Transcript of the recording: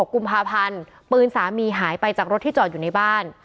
กุมภาพันธ์ปืนสามีหายไปจากรถที่จอดอยู่ในบ้าน